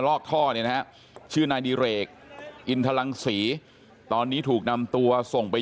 ลอกท่อเนี่ยนะฮะชื่อนายดิเรกอินทรังศรีตอนนี้ถูกนำตัวส่งไป